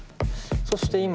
そして今。